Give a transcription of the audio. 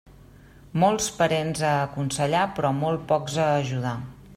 Molts parents a aconsellar, però molt pocs a ajudar.